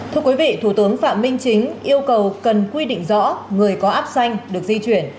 thưa quý vị thủ tướng phạm minh chính yêu cầu cần quy định rõ người có áp xanh được di chuyển